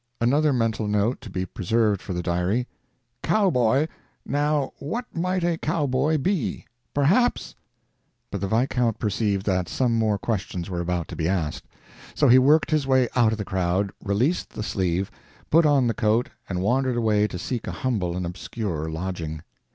Another mental note to be preserved for the diary: "Cowboy. Now what might a cowboy be? Perhaps—" But the viscount perceived that some more questions were about to be asked; so he worked his way out of the crowd, released the sleeve, put on the coat and wandered away to seek a humble and obscure lodging.